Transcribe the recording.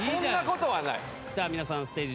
皆さんステージ